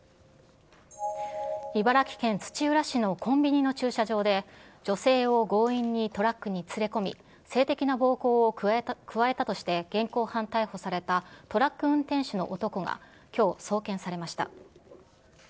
茨城県土浦市のコンビニの駐車場で、女性を強引にトラックに連れ込み、性的な暴行を加えたとして現行犯逮捕されたトラック運転手の男がきょう、送検されました。